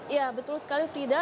ya betul sekali frida